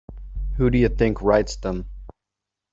Who do you think writes them?